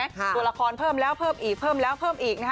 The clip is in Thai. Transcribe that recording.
ตัวละครเพิ่มแล้วเพิ่มอีกแล้วเพิ่มอีก